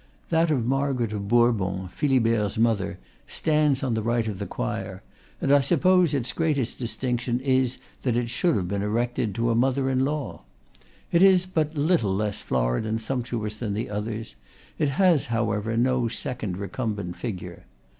That of Margaret of Bourbon, Philibert's mother, stands on the right of the choir; and I suppose its greatest dis tinction is that it should have been erected to a mother in law. It is but little less florid and sump tuous than the others; it has, however, no second re cumbent figure.